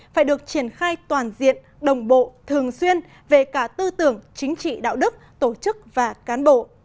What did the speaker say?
phải được triển khai toàn diện đồng bộ thường xuyên về cả tư tưởng chính trị đạo đức tổ chức và cán bộ